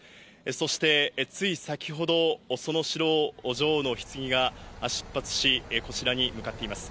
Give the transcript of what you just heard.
そしてつい先ほど、その城を女王のひつぎが出発し、こちらに向かっています。